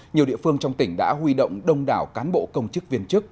nhiều địa phương trong tỉnh đã huy động đông đảo cán bộ công chức viên chức